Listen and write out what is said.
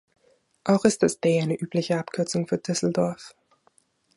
Auch ist das „D“ eine übliche Abkürzung für Düsseldorf.